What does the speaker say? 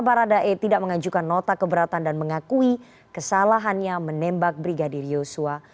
baradae tidak mengajukan nota keberatan dan mengakui kesalahannya menembak brigadir yosua